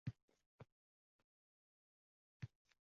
bu oilada o‘zaro munosabatlarda ishonch yo‘qligi ma’lum bo‘ladi.